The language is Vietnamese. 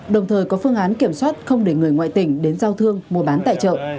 đồng thời có phương án kiểm soát không để người ngoại tỉnh đến giao thương mua bán tại chợ